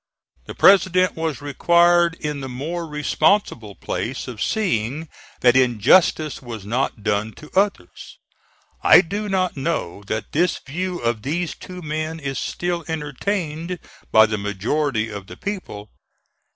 The President was required in the more responsible place of seeing that injustice was not done to others. I do not know that this view of these two men is still entertained by the majority of the people.